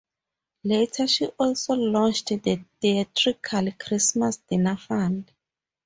Later she also launched the "Theatrical Christmas Dinner Fund".